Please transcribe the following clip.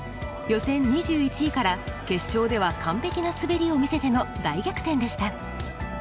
予選２１位から決勝では完璧な滑りを見せての大逆転でした。